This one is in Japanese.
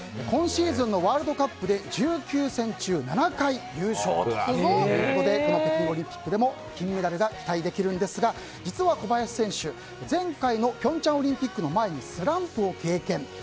今シーズンのワールドカップで１９戦中７回優勝ということで北京オリンピックでも金メダルが期待できるんですが実は小林選手前回の平昌オリンピックの前にスランプを経験。